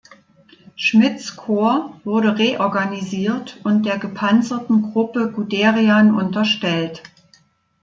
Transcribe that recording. Schmidts Korps wurde reorganisiert und der gepanzerten Gruppe Guderian unterstellt.